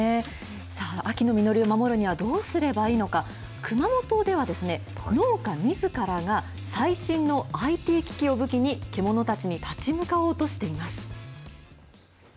さあ、秋の実りを守るのはどうすればいいのか、熊本では農家みずからが、最新のＩＴ機器を武器に、獣たちに立ち向かおうとしています。